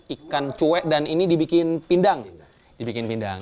ikan cuek dan ini dibikin pindang